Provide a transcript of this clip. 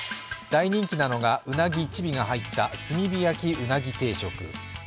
大人気なのがうなぎ１尾が入った炭火焼鰻定食。